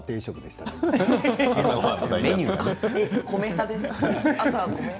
米派です。